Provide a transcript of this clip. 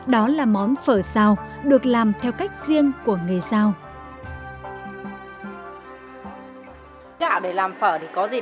đó là món phở xào được làm theo cách riêng của người sao